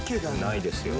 ないですよね